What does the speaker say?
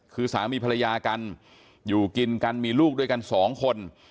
คือสามีภรรยากันอยู่กินกันมีลูกด้วยกันสองคน